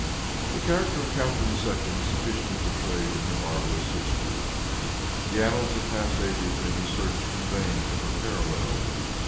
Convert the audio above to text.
The character of Catharine II. is sufficiently portrayed in her marvelous history. The annals of past ages may be searched in vain for her parallel.